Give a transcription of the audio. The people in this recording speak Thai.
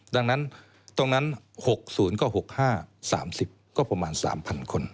ดังนั้น๖ศูนย์ก็๖ศูนย์๕๓๐ศูนย์ก็ประมาณ๓๐๐๐คน